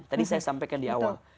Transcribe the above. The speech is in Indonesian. tadi saya sampaikan di awal